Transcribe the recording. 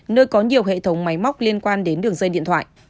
nơi có nhiều hệ thống máy móc liên quan đến đường dây điện thoại